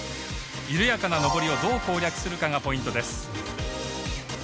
緩やかな上りをどう攻略するかがポイントです。